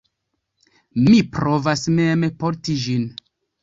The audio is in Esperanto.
Mi provas mem porti ĝin.